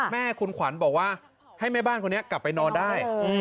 แม่คุณขวัญบอกว่าให้แม่บ้านคนนี้กลับไปนอนได้